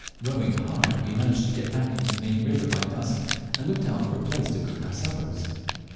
Rowing hard we managed to get back into the main river by dusk, and looked out for a place to cook our suppers.